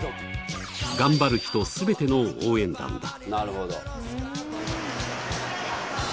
頑張る人、全ての応援団だ。